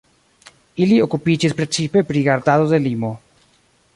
Ili okupiĝis precipe pri gardado de limo.